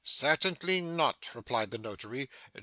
'Certainly not,' replied the Notary.